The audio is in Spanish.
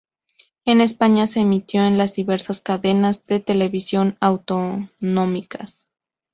En España se emitió en las diversas cadenas de televisión autonómicas.